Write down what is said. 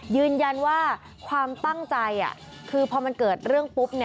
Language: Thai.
ยืนยันว่าความตั้งใจคือพอมันเกิดเรื่องปุ๊บ